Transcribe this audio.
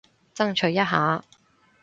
爭取一下